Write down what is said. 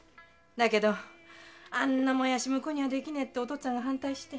だけどあんなもやし婿にはできねえってお父っつぁんが反対して。